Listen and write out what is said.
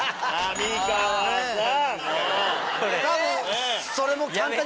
多分。